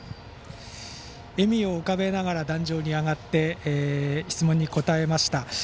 笑みを浮かべながら壇上に上がって質問に答えました。